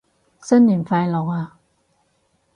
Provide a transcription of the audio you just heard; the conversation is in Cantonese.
新年快樂啊